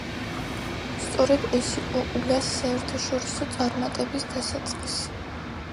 სწორედ ეს იყო ულას საერთაშორისო წარმატების დასაწყისი.